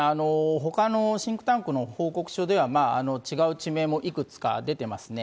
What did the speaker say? ほかのシンクタンクの報告書では、違う地名もいくつか出てますね。